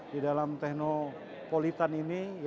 di dalam technopolitan ini